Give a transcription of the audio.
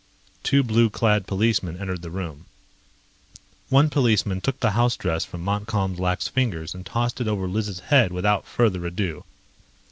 Two blue clad policemen entered the room. One policeman took the house dress from Montcalm's lax fingers and tossed it over Liz' head without further ado.